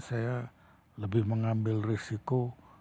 saya lebih mengambil risiko